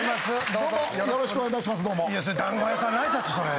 いや団子屋さんの挨拶それ。